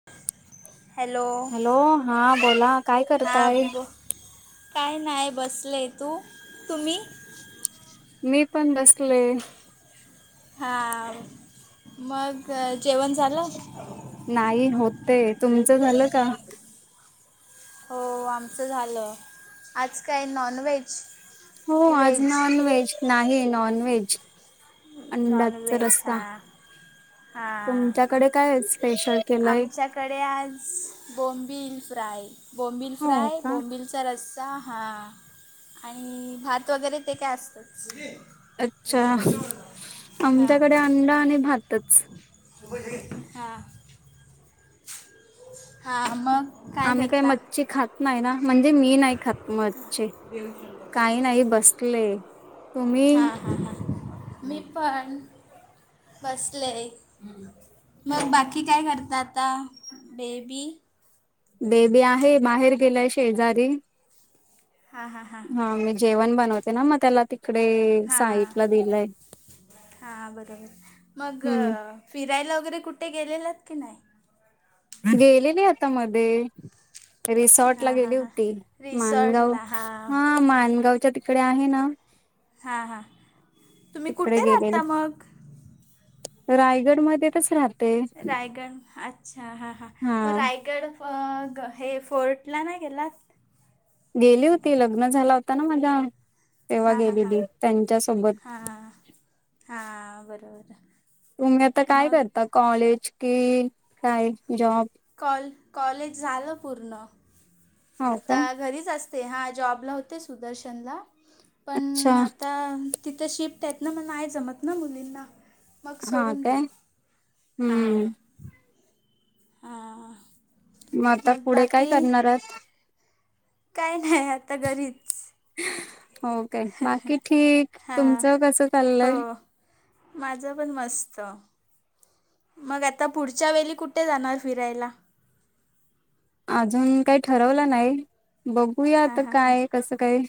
[inaudible] Hello हा बोला, काय हां करताय? ब काय नाही बसले, तू तुम्ही? मी पण बसले. हा, मग जेवण झाल? नाही होते, तुमच झाल का? हो आमच झाल. आज काय नॉनव्हेज? हो की आज व्हेज नॉनव्हेज, नाही नॉनव्हेज. अंडाचा नॉनव्हेज रस्सा. हां हां तुमच्याकडे काय आज स्पेशल केलय? कडे आज बोंम्बील फ्राय, बोंम्बील हो फ्राय का बोंम्बिल चा रस्स हा, आणि भात वगैरे ते काय असतच. अच्छा, आमच्याकडे अंडा आणि भातच हा, हा मग? आम्ही काय मच्छी खात नाही ना, म्हणजे मी नाही खात मच्छी. काही नाही बसले, तुम्ही? हां हां हां मी पण, बसले. मग बाकी काय करता आता, बेबी? बेबी आहे बाहेर गेलाय शेजारी, हां हां हां हा जेवण बनवते ना मग त्याला ते इकडे हा हा बरोबर. मग हम्म फिरायला वगैरे कुठे गेलेलात की नाय? गेलेली आता मध्ये रिसॉर्ट ला हां हां गेली हां होती. मानगाव रिसॉर्टला हां हा मानगावच्या तिकडे आहे ना हा हा. तिकडे गेलेले. रायगड मध्ये तच राह रायगड अच्छा हां हां. हा मग रायगड मग हे फोर्टला नाही गेलात? गेली होती लग्न झाला होता ना माझ्या तेव्हा हां हां हां गेलेली त्यांच्यासोबत हा बरोबर तुम्ही आता काय मग करता कॉलेज कि काय जॉब कॉल कॉलेज झाल पूर्ण. हो आता काय घरीच अस तेे हा जॉबला होते सुदर्शनला. पण अच्छा आता तिथ शिफ्ट आहेत ना, म नाही जमत ना मुलींना मग हा सोडून काय दिल हा हम्म मग आता पुढे काय करणार आहात काय नाही आता घरीच हो का बाकी ठीक हां तुमचं कस हो चाललय माझं पण मस्त मग आता पुढच्या वेळी कुठे जाणार फिरायला अजून काही ठरवलं नाही बघूया हां आता हां हां काय कसं काय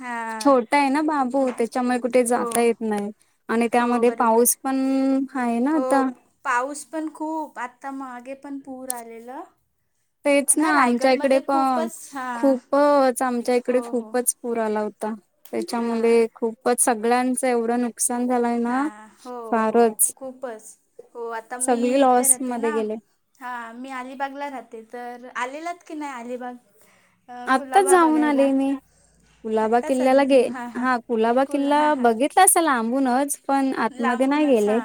हां छोटा आहे ना बाबू त्याच्यामुळे कुठे हो जाता येत नाही आणि हो त्यामध्ये बरोबर पाऊस पण आहे ना हो आता पाऊस पण खूप आत्ता मागे पण पूर आलेलं तेच ना आमच्या इकडे रायगडमध्ये पण खूपच हां खूपच आमच्या इकडे हो हो खूपच पुूर आला होता त्याच्यामुळे खूपच सगळ्यांचं एवढं नक हा हो हो खूपच हो आता मी सगळी इथे लॉस राहते मध्ये ना गेले हा मी अलिबागला राहते तर आलेलात की नाही अलिबाग अ, आत्ता कुलाबा जाऊन आले बघायला मी कुलाबा आत्ताच किल्ल्याला आले गे हां हां हा कुलाबा कुल किल्ला हां हां बघितला असेल आंबूनच पण आतमध्ये नाही लांबूनच गेले हां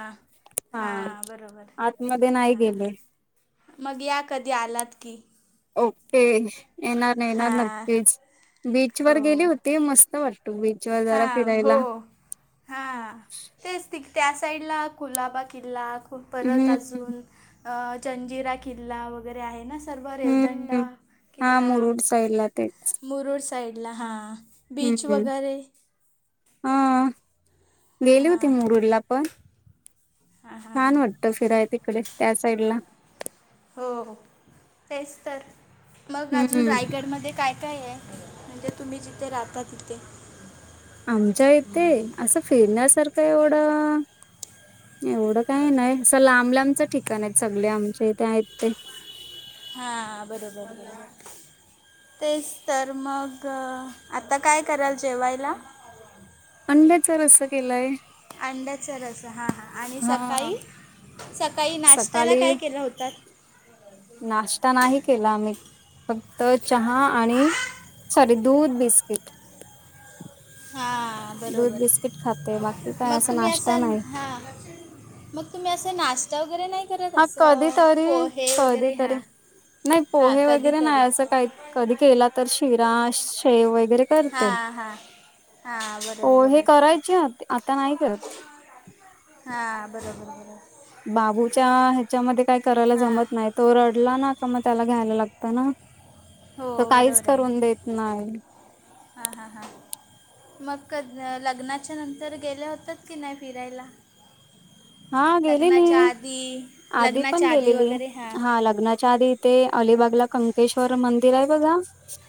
हा हां बरोबर आतमध्ये नाही हां गेले मग या कधी आलात की ओके येणार नाही येणार हां नक्कीच बीच वर गेली होते मस्त वाटतो बीच वर जरा हा फिरायला हो हा तेच त त्या साईड ला कुलाबा किल्ला खूप परत हम्म. अजून अ चंजिरा किल्ला वगैरे आहे ना सर्व हम्म रेवदंडा हा किल्ला मुरुड साईड ला ते मुरुर साईडला हा हम्म अ गेले होते हां. मुरडला पण हां, हां, हां. छान वाटत फिराय तिकडे त्या साईड ला हो तेच तर मग अजून हम्म. रायगडमध्ये काय काय आहे म्हणजे तुम्ही जिथे राहता तिथे आमच्या इथे असं फिरण्यासारखं एवढं एवढं काही नाही असं लांब लांबचं ठिकाण आहेत सगळे आमचे इथे आहेत ते हा बरोबर आहे तेच तर मग आता काय कराल जेवायला अंड्याच रस केलाय अंड्याचा रस हा हा आणि हा. सकाळी सकाळी नाश्त्याला सकाळी काय केलं होतात नाश्ता नाही केलाम्ही फक्त चहा आणि सॉारी दूध बिस्किट हां दूध बरोबर बिस्किट खाते बाकी काय मग असा तुम्ही नाश्ता असाल नाही हां मग तुम्ही असं नाश्ता वगैरे नाही करत हा कधी असं तरी पोहे कधी वगैरे तरी ह्या नाही पोहे वगैरे नाही असं काही कधी केला तर शिरा शेव वगैरे हा करते हा हां बर बर पोहे करायचे आता नाही करत हा बरोबर बरोबर बाबूच्या ह्याच्यामध्ये काय करायला हां जमत नाही तो रडला ना का मग त्याला घ्यायला लागत ना हो त काहीच करून देत नाही हा हा हा मग क लग्नाच्या नंतर गेल्या होतात की नाही फिरायला हा लग्नाच्या गेलेली आधी आधी पण लग्नाच्या आधी गेलेली वगैरे हां हा लग्नाच्या आधी ते अलिबाग ला कंकेश्वर मंदिर आहे बघा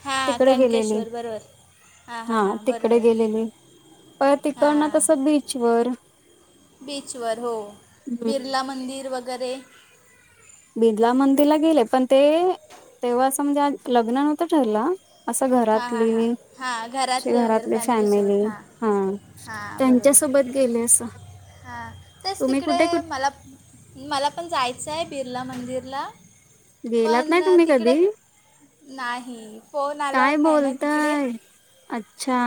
हां तिकडे गेलेली कणकेश्वर बरोबर हां हां हा हां तिकडे बरोबर गेलेली पर तिकड ना हां तसं बीचवर बीचवर हो हम्म बिर्ला मंदिर वगैरे बिदला मंदिरला गेले पण ते तेव्हा असं म्हणजे लग्न नव्हतं ठरलं असं हां हां घरातली हां हां अशी घरातले वगैरे घरातली फॅमिलीसोबत फॅमिली हां हा हां बरोबर त्यांच्यासोबत गेले असं हां तेच तुम्ही तिकडे कुठे कुठ मला मला पण जायचं आहे बिर्ला मंदिरला गेलात नाही पण तुम्ही तिकडे कधी नाही फोन काय आलावर नाही ना तिकडे बोलताय अच्छा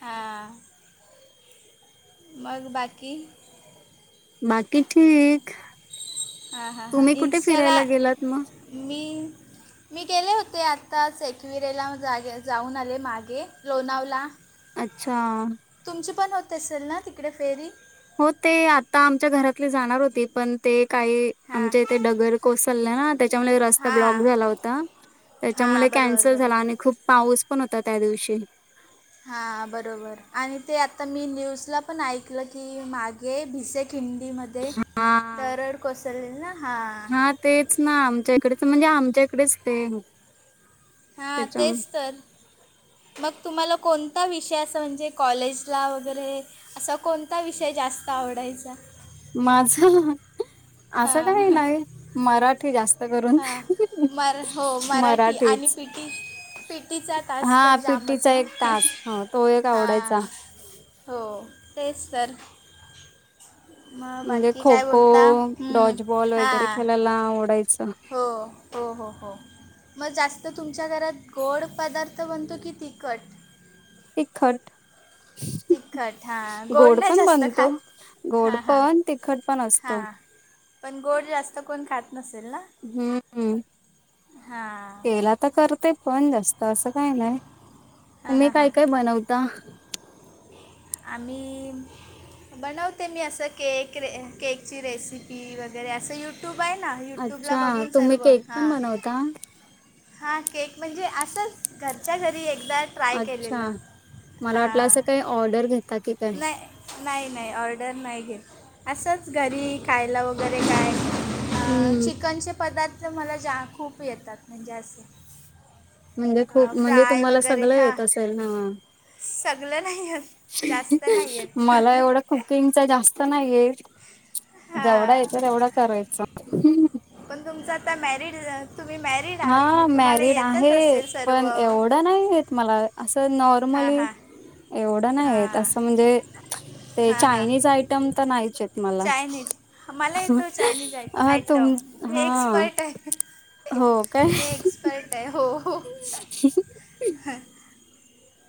हां मग बाकी बाकी ठीक हां हां हां तुम्ही कुठे इंस्टाला फिरायला गेलात मग मी मी गेले होते आत्ता सेकविरेला जागे जाऊन आले मागे लोणावला अच्छा तुमची पण होत असेल ना तिकडे फेरी हो ते आता आमच्या घरातली जाणार होती पण ते काही हां आमच्या इथे डगर कोसललं ना त्याच्यामुळे रस्ता ब्लॉक हां झाला होता त्याच्यामुळे हां बरोबर कॅन्सल झाला बरोबर आणि खूप पाऊस पण होता त्या दिवशी हा बरोबर आणि ते आता मी न्यूजला पण ऐकलं की मागे भिसे खिंडीमध्ये हा ते तरड कोसळलेल ना हां हा तेच ना आमच्या इकडेच म्हणजे आमच्याकडेच ते हा त्याच्या तेच तर मग तुम्हाला कोणता विषय असं म्हणजे कॉलेजला वगैरे असा कोणता विषय जास्त आवडायचा माझ असं काही हां नाही मराठी जास्त करून हां मर हो मराठी आणि मराठीच पी टी पीटीचा तास तर हा जामच पिटीचा ना एक तास ह तो एक हां आवडायचा हो तेच स मग बाकी काय बोलता हं, डॉचबॉल वगैरे हां खेळायला आवडायचं हो हो हो हो मग जास्त तुमच्या घरात गोड पदार्थ बनतो की तिखट एक खट तिखट हां गोड नाही पण जास्त बनत खात गोड हां हां पण तिखट पण असतो हां पण गोड जास्त कोण खात नसेल ना हम्म हम् हां केला तर करते पण जास्त असं काय नाही मी काय काय बनवता आमही बनवते मी असं केक रे केकची रेसिपी वगैरे असं यू यूट्यूब आहे ना यूट्यूबला अच्छा बघून तुम्ही सर्व केक हां पण बनवता? हा केक म्हणजे असंच घरच्या घरी एकदा ट्राय केलेलं अच्छा. मला वाटलं हां असं काही ऑर्डर घेता की काय नाही नाही नाही ऑर्डर नाही घेत असंच घरी खायला वगैरे काय अ हम्म. चिकनचे पदार्थ मला जा खूप येतात म्हणजे असे म्हणजे खूप म्हणजे फ्राय तुम्हाला सगळ येत असेल ह सगलं नाही आहेत जास्त नाही मला आहेत एवढं कुकिंगचा जास्त नाहीय जेवढा हां येत तेवढा करायचं पण तुमचं आता म्यारीड हा मॅरिड आहे असेल सर्व पण एवढं नाही मला असं हां नॉर्मली, हां एवढं नाहीय हां असं म्हणजे ते हां हां चायनीज आयटम तर नाहीच येत मला. चायनीज मला येतो चायनीज आय अ तुम आयटम मी हा, एक्सपर्ट आहे हो. काय? मी एक्सपर्ट आहे हो हो.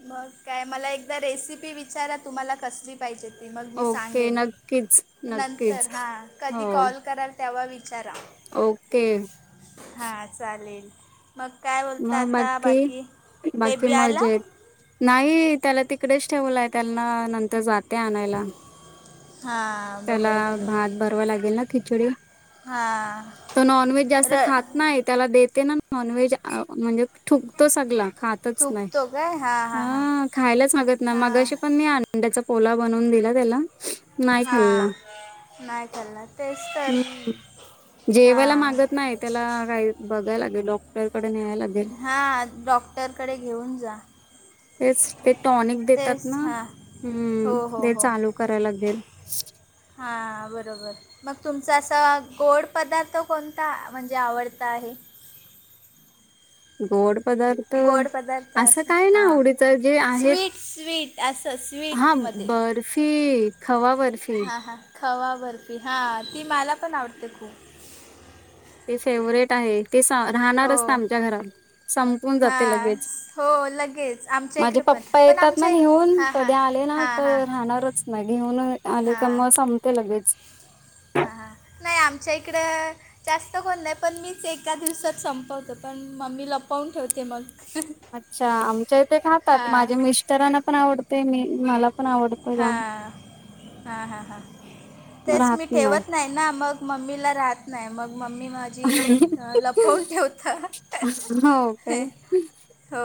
मग काय मला एकदा रेसिपी विचारा, तुम्हाला कसली [unintelligible] मग मी ओके सांगेन, नक्कीच नंतर नक्कीच हा. हो कधी कॉल कराल तेव्हा विचारा. ओके. हा चालेल. मग काय बोलता आता बाकी, बाकी बेबी आला? मजेत नाही त्याला तिकडेच ठेवलाय त्यांना, नंतर जाते आणायला. हा. त्याला भात भरवाय लागेल ना, खिचडी. हा. तो नॉन व्हेज जास्त खात नाही, त्याला देते ना नॉन व्हेज म्हणजे थुकतो सगला, खात तच नाय. थुकतो काय हां हां हां ह खायला सांगत ना, हां मगशी पण मी आण त्याचा कोला बनऊन दिला त्याला खाल्ला. हां नाही खाल्ला तेच तर हम्म जेवायला हां मागत नाहीत त्याला काही बघायला लागेल, डॉक्टरकडे न्यायला लागेल. हां डॉक्टरकडे घेऊन जा. तेच ते टॉनिक देतात तेच ना, हां हम्म हो हो ते चालू कराय लागेल. हा बरोबर. मग तुमचा असा, गोड पदार्थ कोणता म्हणजे आवडता आहे? गोड पदार्थ गोड पदार्थ असं असा काय ना हा, आवडीच जे आहेत स्वीट स्वीट. आसं हा स्वीटमध्ये, बर्फी खवा बर्फी हां हां. खवा बर्फी, हा ती मला पण आवडते खूप. ते फेवरेट आहे, ते राहणारच ना हो आमच्या घरात. संपून जाते हां लगेच हो लगेच आमच्या माझे इकडं पण पप्पा पण येतात ना आमच्या घेऊन हां हां कधी आले ना हां का हां राहणारच ना घेऊन आले हां त्यांना सांगते लगेच. हां हां नाही आमच्या इकडं जास्त कोण नाही पण मीच एका दिवसात संपवतो पण मग मी लपवून ठेवते मग. अच्छा! आमच्या इथे खातात हां माझ्या मिस्टरांना पण आवड ते मी मला पण आवडतो जाम. हां हां हां हां तेच मी ठेवत नाही ना मग मम्मीला राहत नाही मग मम्मी माझी लपवून ठेवतां हो का. हो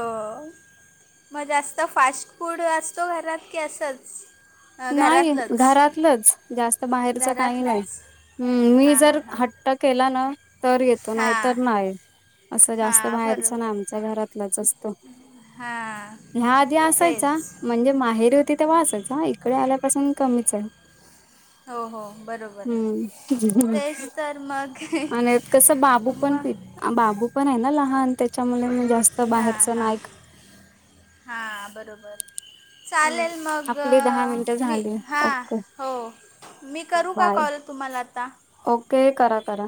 मग जास्त फास्ट फूड असतो घरात की असंच अ, नाही घरातलंच घरातलंच जास्त बाहेरच काही नाही घरातलंच मी हां हां जर हां हट केला ना तर येतो नाही हां तर नाही असं जास्त हां बाहेरच नाय बरोबर आमच्या घरातलच असतो हां ह्या आधी तेच असायचा म्हणजे माहेरी होती तर आसायचा इकडे आल्यापासून कमीच आहे. हो हो बरोबर हम्म तेच तर मग आणि कस बाबू पण फि मग बाबू पण आहे ना लहान त्याच्यामुळे मी जास्त बाहेरच नाय खात हा बरोबर हम्म. चालेल मग आपली दहा मिनिटं मी झाली हां ओके हो मी करू का बाय कॉल तुम्हाला आता? ओके करा करा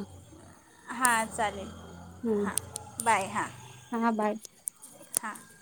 हां चालेल हां बाय हां हम्म हा बाय. हां.